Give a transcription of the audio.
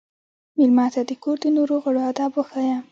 مېلمه ته د کور د نورو غړو ادب وښایه.